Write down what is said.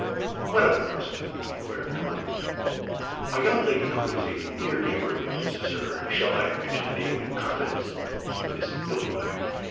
"What other person?" inquired Allan. "A young lady who is a near neighbor of yours, sir. Shall I mention the name in confidence? Miss Milroy."